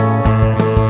ambil obat ya